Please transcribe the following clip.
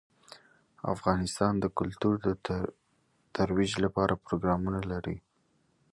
افغانستان د کلتور د ترویج لپاره پروګرامونه لري.